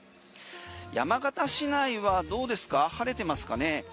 山形市内はどうですか晴れてますかね